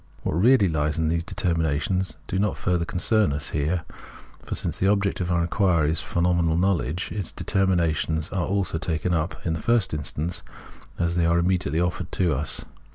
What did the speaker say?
What really lies in these determinations does not further concern us here ; for since the object of our inquiry is phenomenal knowledge, its determinations are also taken up, in the first instance, as they are immediately offered to us.